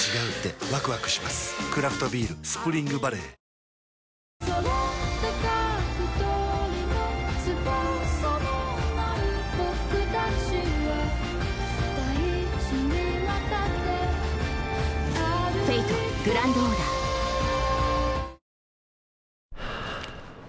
クラフトビール「スプリングバレー」「ＣＤＴＶライブ！